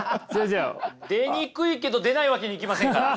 出にくいけど出ないわけにいきませんから。